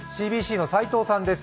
ＣＢＣの斉藤さんです。